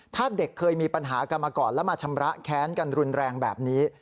ถ้าเด็กเคยมีปัญหากันมาก่อนแล้วมาชำระแค้นกันรุนแรงแบบนี้